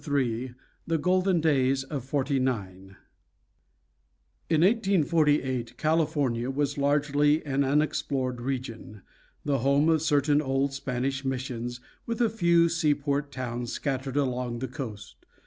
VIII THE GOLDEN DAYS OF 'FORTY NINE In 1848 California was largely an unexplored region, the home of certain old Spanish missions, with a few seaport towns scattered along the coast.